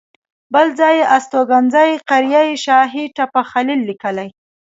بل ځای یې استوګنځی قریه شاهي تپه خلیل لیکلی.